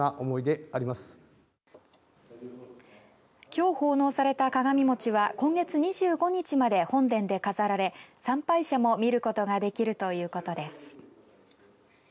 きょう奉納された鏡餅は今月２５日まで本殿で飾られ参拝者も見ることができるということです。